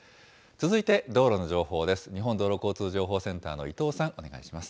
続いて道路の情報です。